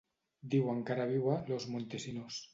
Diuen que ara viu a Los Montesinos.